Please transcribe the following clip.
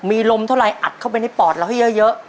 มีลมเท่าไรอัดเข้าไปในปอดเราให้เยอะ